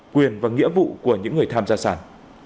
quyền và nghĩa vụ của những người tham gia sản